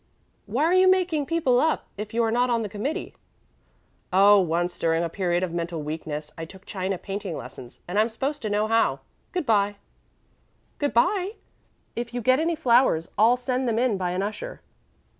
"Why are you making people up, if you are not on the committee?" "Oh, once, during a period of mental weakness, I took china painting lessons, and I'm supposed to know how. Good by." "Good by. If you get any flowers I'll send them in by an usher."